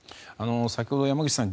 先ほど山口さん